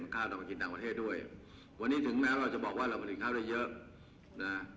ข้าวเรามากินต่างประเทศด้วยวันนี้ถึงแม้เราจะบอกว่าเรามากินข้าวได้เยอะนะ